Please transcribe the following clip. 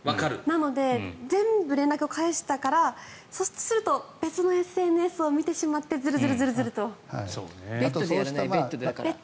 なので全部連絡を返したからそうすると別のＳＮＳを見てしまってベッドでやらない。